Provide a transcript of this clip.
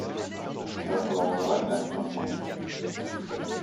Il va falloir ouvrir la fenêtre maintenant…